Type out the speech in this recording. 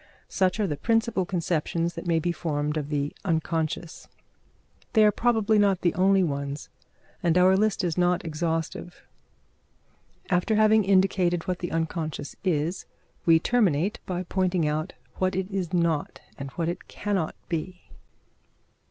Such are the principal conceptions that may be formed of the unconscious. They are probably not the only ones, and our list is not exhaustive. After having indicated what the unconscious is, we will terminate by pointing out what it is not and what it cannot be.